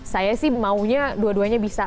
saya sih maunya dua duanya bisa